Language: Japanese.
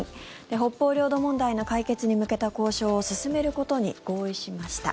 北方領土問題の解決に向けた交渉を進めることに合意しました。